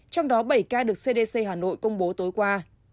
trong đó bảy ca được cdc hà nội công bố tối qua